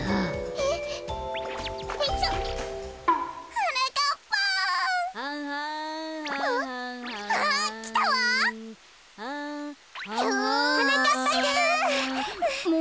はなかっぱくん！